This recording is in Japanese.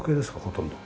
ほとんど。